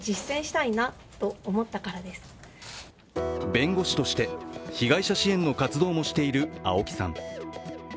弁護士として被害者支援の活動もしている青木さん。